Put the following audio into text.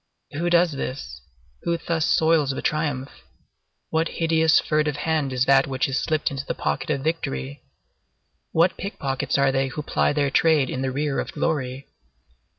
Who does this? Who thus soils the triumph? What hideous, furtive hand is that which is slipped into the pocket of victory? What pickpockets are they who ply their trade in the rear of glory?